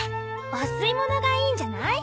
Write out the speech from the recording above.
お吸い物がいいんじゃない？